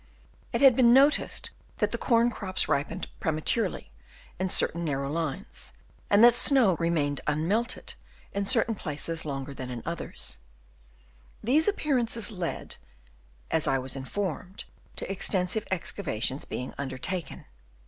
It had been noticed that the corn crops ripened prematurely in certain narrow lines, and that the snow remained un melted in certain places longer than in others. 224 BUEIAL OF THE EEMAINS Chap. IV. These appearances led, as I was informed, to extensive excavations being undertaken.